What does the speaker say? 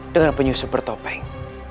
dengan penyusup bertopeng